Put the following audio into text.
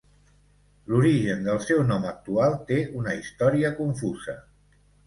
L'origen del seu nom actual té una història confusa.